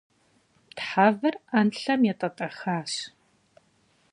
Тхьэвыр ӏэнлъэм етӏэтӏэхащ.